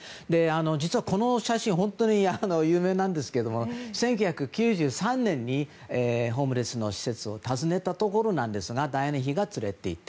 実はこの写真本当に有名なんですけど１９９３年にホームレスの施設を訪ねたところなんですがダイアナ妃が連れて行って。